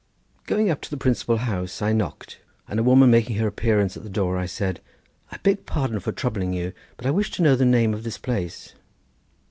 Going up to the principal house I knocked, and a woman making her appearance at the door, I said— "I beg pardon for troubling you, but I wish to know the name of this place."